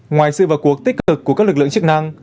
ngoài sự vào cuộc tích cực của các lực lượng chức năng